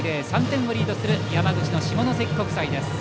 ３点をリードする山口の下関国際です。